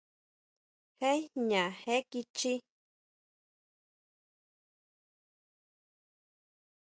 Jé jña jé kichjí.